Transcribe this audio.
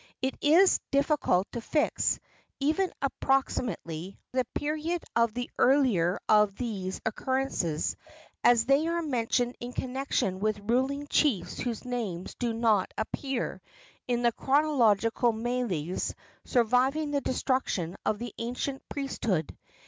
It is difficult to fix, even approximately, the period of the earlier of these occurrences, as they are mentioned in connection with ruling chiefs whose names do not appear in the chronological meles surviving the destruction of the ancient priesthood.